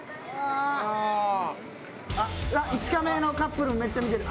あっ１カメのカップルもめっちゃ見てる。